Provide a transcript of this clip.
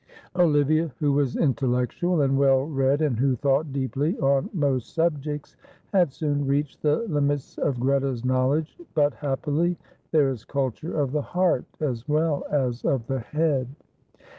Olivia, who was intellectual and well read, and who thought deeply on most subjects, had soon reached the limits of Greta's knowledge, but happily there is culture of the heart as well as of the head.